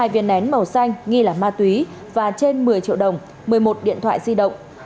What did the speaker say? hai mươi viên nén màu xanh nghi là ma túy và trên một mươi triệu đồng một mươi một điện thoại di động